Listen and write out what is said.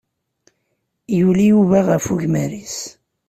Yuli Yuba ɣef ugmar-is.